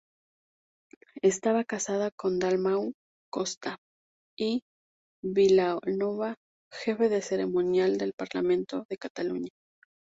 Estaba casada con Dalmau Costa i Vilanova, jefe de ceremonial del Parlamento de Cataluña.